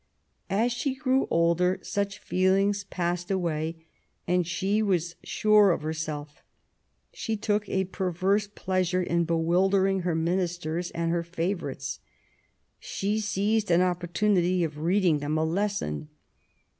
As she grew older such feelings passed away, and she was sure of herself. She took a perverse pleasure in bewildering her ministers and her favourites ; she seized an opportunity of reading them a lesson.